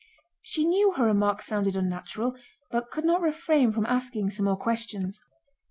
She knew her remarks sounded unnatural, but could not refrain from asking some more questions.